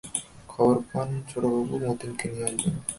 খবর যদি পান ছোটবাবু, মতিকে নিয়ে আসবেন।